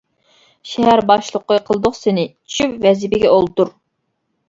شەھەر باشلىقى قىلدۇق سېنى، چۈشۈپ ۋەزىپىگە ئولتۇر.